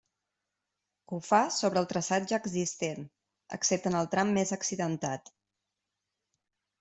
Ho fa sobre el traçat ja existent, excepte en el tram més accidentat.